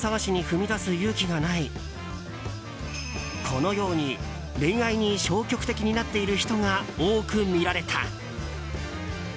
このように恋愛に消極的になっている人が多く見られた。